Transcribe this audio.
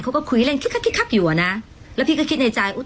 เขาก็คุยเล่นคิดคักคิดคักอยู่อ่ะนะแล้วพี่ก็คิดในใจอุ๊